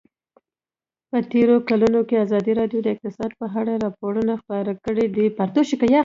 په تېرو کلونو کې ازادي راډیو د اقتصاد په اړه راپورونه خپاره کړي دي.